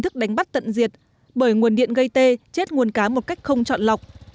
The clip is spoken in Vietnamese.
thức đánh bắt tận diệt bởi nguồn điện gây tê chết nguồn cá một cách không chọn lọc